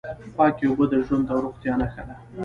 پاکې اوبه د ژوند او روغتیا نښه ده.